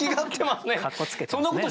かっこつけてますね。